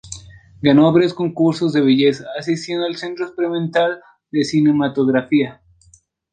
Ganó varios concursos de belleza, asistiendo al Centro Experimental de Cinematografía.